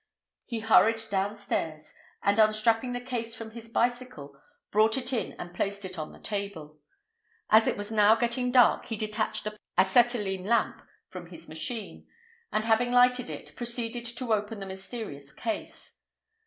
He hurried downstairs, and, unstrapping the case from his bicycle, brought it in and placed it on the table. As it was now getting dark, he detached the powerful acetylene lamp from his machine, and, having lighted it, proceeded to open the mysterious case.